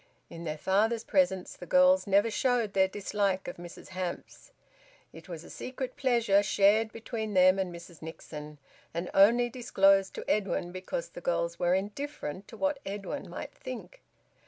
In their father's presence the girls never showed their dislike of Mrs Hamps; it was a secret pleasure shared between them and Mrs Nixon, and only disclosed to Edwin because the girls were indifferent to what Edwin might think.